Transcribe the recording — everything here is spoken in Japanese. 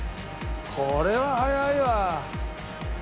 これは早いわ。